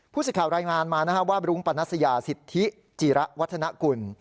พูดสิทธิ์ข่าวรายงานมานะครับว่ารุ้งปัณษยาสิทธิจีระวัฒนกุล